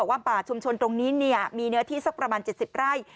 ว่าป่าชุมชนตรงนี้มีเนื้อที่สักประมาณ๗๐ไร่